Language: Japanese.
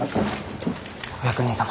お役人様